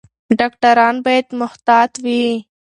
ډاکټران باید محتاط وي.